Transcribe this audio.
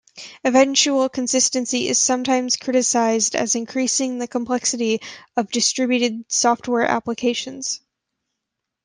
Eventual consistency is sometimes criticized as increasing the complexity of distributed software applications.